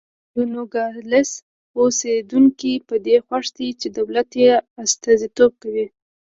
د نوګالس اوسېدونکي په دې خوښ دي چې دولت یې استازیتوب کوي.